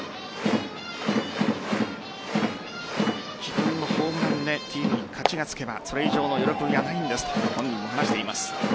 自分のホームランでチームに勝ちがつけばそれ以上の喜びはないんですと本人も話しています。